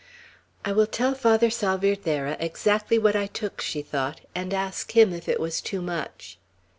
"I will tell Father Salvierderra exactly what I took," she thought, "and ask him if it was too much."